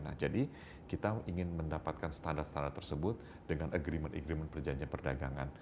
nah jadi kita ingin mendapatkan standar standar tersebut dengan agreement agreement perjanjian perdagangan